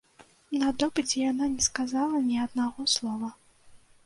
На допыце яна не сказала ні аднаго слова.